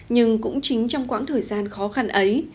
nhưng cũng chính trong quãng thời gian khó khăn ấy